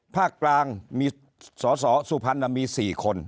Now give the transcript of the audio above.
ภาคกลางมีสอสอสุพรรณมี๔คน